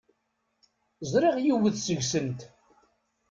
Ẓriɣ yiwet seg-sent.